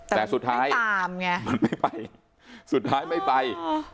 แต่สุดท้ายไม่ไป